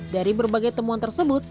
dari berbagai temuan tersebut